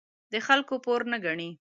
د خلکو پور نه ګڼي.